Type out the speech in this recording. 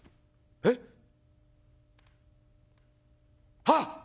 「えっ？あっ！